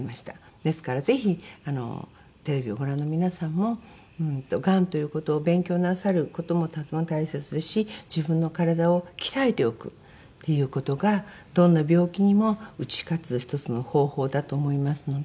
ですからぜひテレビをご覧の皆さんもがんという事を勉強なさる事もとても大切ですし自分の体を鍛えておくっていう事がどんな病気にも打ち勝つ１つの方法だと思いますので。